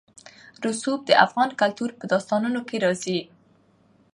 رسوب د افغان کلتور په داستانونو کې راځي.